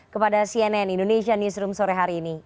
kepada cnn indonesia newsroom sore hari ini